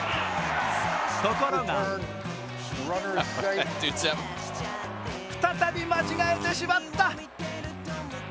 ところが再び間違えてしまった。